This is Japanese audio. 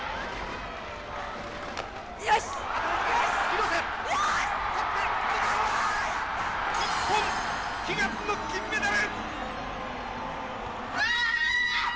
日本悲願の金メダル！